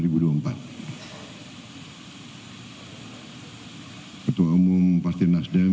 ketua umum pasti nasdem